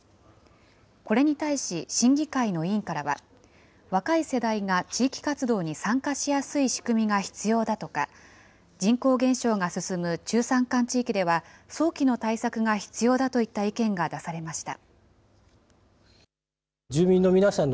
これに対し、審議会の委員からは、若い世代が地域活動に参加しやすい仕組みが必要だとか、人口減少が進む中山間地域では、早期の対策が必要だといった意見が出されました。